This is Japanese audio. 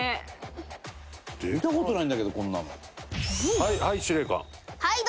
見た事ないんだけどこんなの。